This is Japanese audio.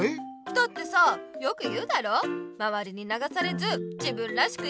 だってさよく言うだろ「まわりにながされず自分らしく生きろ」って。